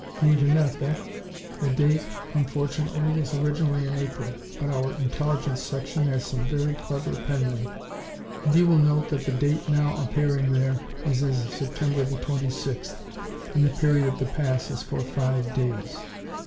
Neat enough, eh? The date, unfortunately, was originally in April, but our Intelligence section has some very clever penmen and you will note that the date now appearing there is as of September the twenty sixth, and the period of the pass is for five days."